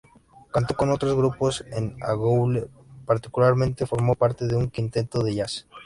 Cantó con otros grupos en Angoulême, particularmente, formó parte de un quinteto de jazz.